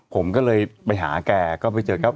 ผมก็เลยไปหาแกก็ไปเจอแก๊